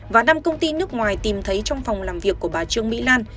và năm công ty nước ngoài tìm thấy trong phòng làm việc của bà trương mỹ lan